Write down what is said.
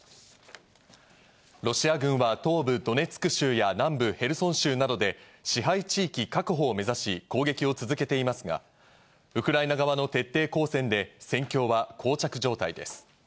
ロシア軍は東部ドネツク州や南部ヘルソン州などで支配地域確保を目指し、攻撃を続けていますが、ウクライナ側の徹底抗戦で戦況は膠着状態です。